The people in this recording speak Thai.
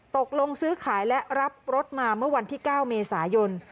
ตกลงซื้อขายและรับรถมาเมื่อวันที่๙เมษายน